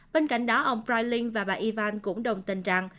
bên cạnh đó ông freiling và bà yvonne cũng đồng tình rằng